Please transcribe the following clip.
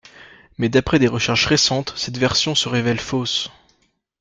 Mais d'après des recherches récentes, cette version se révèle fausse.